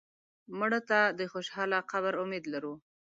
مړه ته د خوشاله قبر امید لرو